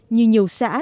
như nhiều xã